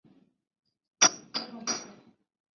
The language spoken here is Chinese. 现时董事长及首席执行官朱大成先生。